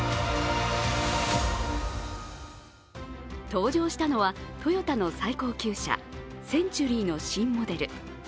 登場したのはトヨタの最高級車センチュリーの新モデル。